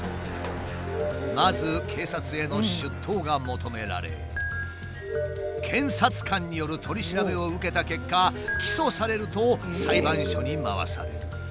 まず警察への出頭が求められ検察官による取り調べを受けた結果起訴されると裁判所に回される。